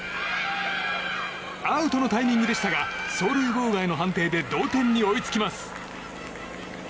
アウトのタイミングでしたが走塁妨害の判定で同点に追いつきます。